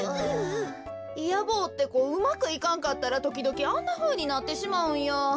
いや坊ってこうまくいかんかったらときどきあんなふうになってしまうんよ。